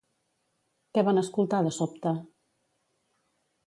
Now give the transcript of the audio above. Què van escoltar de sobte?